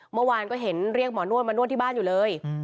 เมื่อวานก็เห็นเรียกหมอนวดมานวดที่บ้านอยู่เลย